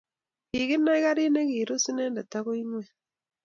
Kikinai gariit ne kirus inendet akoi ing'weny.